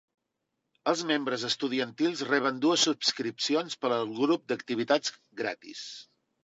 Els membres estudiantils reben dues subscripcions per al grup d'activitats gratis.